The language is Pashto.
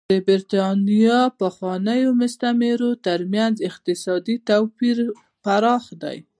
د برېټانیا پخوانیو مستعمرو ترمنځ اقتصادي توپیر پراخ دی.